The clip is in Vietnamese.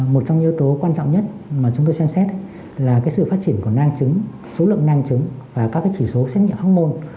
một trong yếu tố quan trọng nhất mà chúng tôi xem xét là sự phát triển của nang trứng số lượng nang trứng và các chỉ số xét nghiệm hormôn